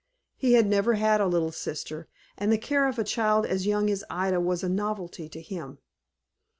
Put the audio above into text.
He had never had a little sister, and the care of a child as young as Ida was a novelty to him.